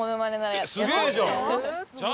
すげえじゃん！